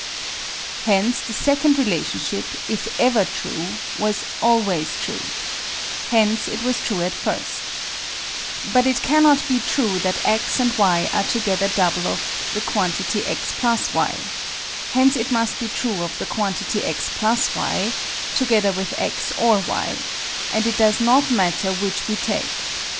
Hence the second relationship, if ever true, was always true. Hence it was true at first. But it cannot be true that x and y are together double of (x + y). Hence it must be true of (x + y), together with x or y; and it does not matter which we take.